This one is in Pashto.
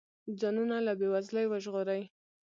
ځانونه له بې وزلۍ وژغوري.